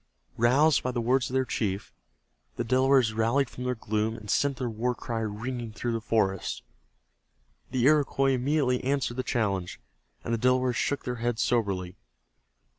Roused by the words of their chief, the Delawares rallied from their gloom and sent their war cry ringing through the forest. The Iroquois immediately answered the challenge, and the Delawares shook their heads soberly.